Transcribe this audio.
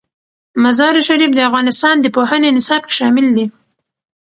مزارشریف د افغانستان د پوهنې نصاب کې شامل دي.